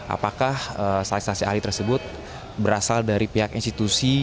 apakah saksi saksi ahli tersebut berasal dari pihak institusi